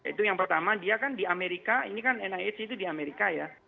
itu yang pertama di amerika nih kan di amerika ya